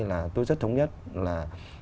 là tôi rất thống nhất là